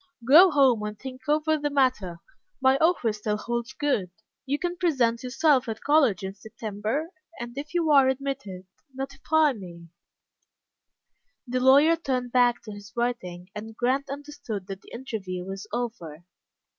"Go home and think over the matter. My offer still holds good. You can present yourself at college in September, and, if you are admitted, notify me." The lawyer turned back to his writing, and Grant understood that the interview was over.